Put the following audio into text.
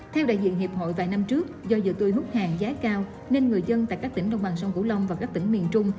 theo đại diện hiệp hội vài năm trước do dừa tươi hút hàng giá cao nên người dân tại các tỉnh đồng bằng sông cửu long và các tỉnh miền trung